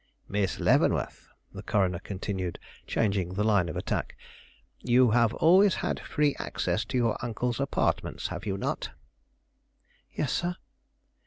"Miss Leavenworth," the coroner continued, changing the line of attack, "you have always had free access to your uncle's apartments, have you not?" "Yes, sir."